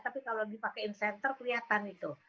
tapi kalau dipakai insentor kelihatan itu